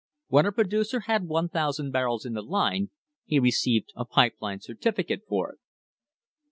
When a producer had 1,000 barrels in the line, he received a pipe line certificate for it.